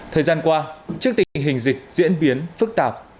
thời gian qua trước tình hình dịch diễn biến phức tạp